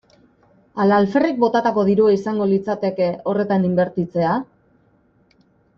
Ala alferrik botatako dirua izango litzateke horretan inbertitzea?